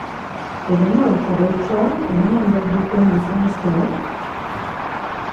Edo nolako boltsoa eraman behar duten gizonezkoek?